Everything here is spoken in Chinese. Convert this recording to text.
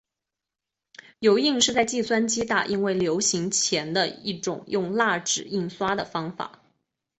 油印是在计算机打印未流行前的一种用蜡纸印刷的方法。